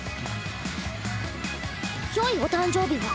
よいお誕生日を。